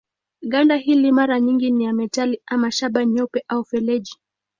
Ganda hili mara nyingi ni ya metali ama shaba nyeupe au feleji.